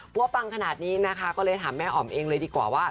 ว่าปังขนาดนี้นะคะก็เลยถามแม่อ๋อมเองเลยดีกว่าว่า